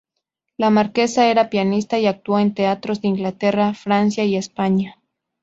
La Marquesa era pianista y actuó en teatros de Inglaterra, Francia y España.